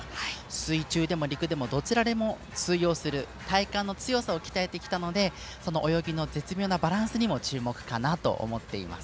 水中でも陸でもどちらでも通用する体幹の強さを鍛えてきたので泳ぎの絶妙なバランスにも注目かなと思っています。